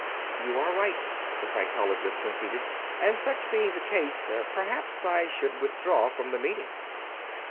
"You are right," the Psychologist conceded. "And, such being the case, perhaps I should withdraw from the meeting."